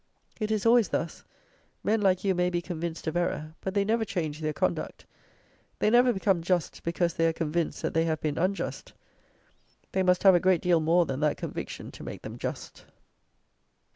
It is always thus: men like you may be convinced of error, but they never change their conduct. They never become just because they are convinced that they have been unjust: they must have a great deal more than that conviction to make them just.